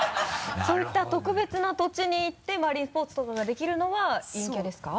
そういった特別な土地に行ってマリンスポーツとかができるのは陰キャですか？